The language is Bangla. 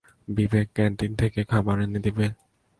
বিবেক, ক্যান্টিন থেকে খাবার এনে দিবে?